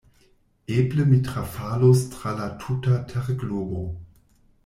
Eble mi trafalos tra la tuta terglobo!